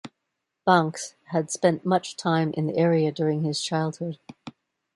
Bancks had spent much time in the area during his childhood.